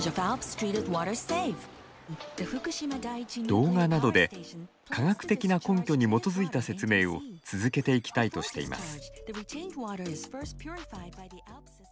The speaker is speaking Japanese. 動画などで科学的な根拠に基づいた説明を続けていきたいとしています。